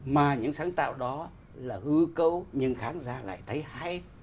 mà những sáng tạo đó là hư cấu nhưng khán giả lại thấy hay